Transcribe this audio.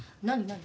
何？